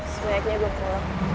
swagnya gua keluar